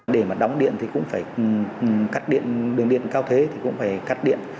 để mà đóng điện thì cũng phải cắt điện đường điện cao thế thì cũng phải cắt điện